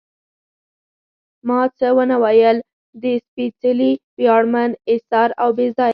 ما څه ونه ویل، د سپېڅلي، ویاړمن، اېثار او بې ځایه.